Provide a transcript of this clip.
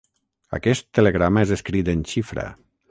Aquest telegrama és escrit en xifra.